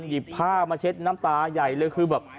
หยิบผ้ามาเช็ดน้ำตาใหญ่เลยคือแบบ